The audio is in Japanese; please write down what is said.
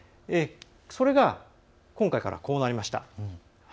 それが今回からこうなりました。